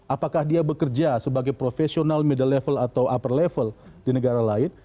apakah dia bekerja sebagai profesional middle level atau upper level di negara lain